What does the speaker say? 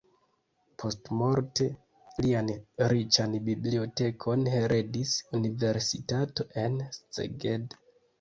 Postmorte lian riĉan bibliotekon heredis universitato en Szeged.